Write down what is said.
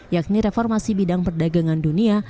yakni reformasi bidang perdagangan dunia